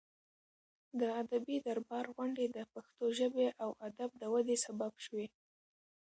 د ادبي دربار غونډې د پښتو ژبې او ادب د ودې سبب شوې.